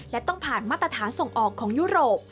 และต้องผ่านมาตรฐานส่งออกของยุโรป